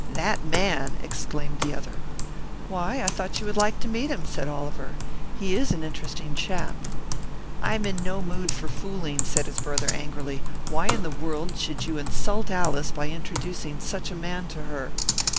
"That man," exclaimed the other. "Why, I thought you would like to meet him," said Oliver; "he is an interesting chap." "I am in no mood for fooling," said his brother, angrily. "Why in the world should you insult Alice by introducing such a man to her?"